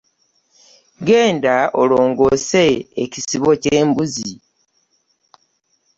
Genda olongoose ekisibo kye'mbuzi.